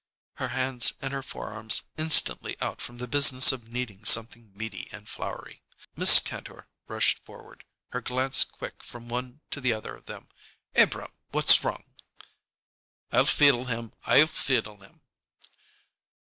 Her hands and her forearms instantly out from the business of kneading something meaty and floury, Mrs. Kantor rushed forward, her glance quick from one to the other of them. "Abrahm, what's wrong?" "I'll feedle him! I'll feedle him!"